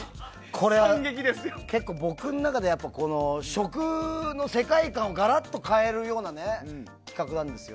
これは結構、僕の中では食の世界観をがらっと変えるような企画なんですよ。